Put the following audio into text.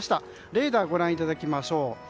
レーダーをご覧いただきましょう。